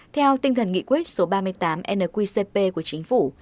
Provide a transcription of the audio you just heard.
theo tinh thần nghị quyết số ba mươi tám nqcp của chính phủ